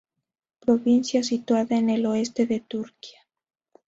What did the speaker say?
Provincia situada en el oeste de Turquía.